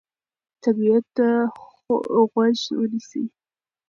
طبیعت ته غوږ ونیسئ.